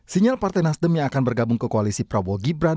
sinyal partai nasdem yang akan bergabung ke koalisi prabowo gibran